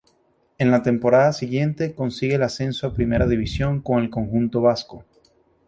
En la temporada siguiente consigue el ascenso a Primera División con el conjunto vasco.